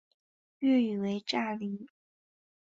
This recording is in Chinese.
粤语为炸厘。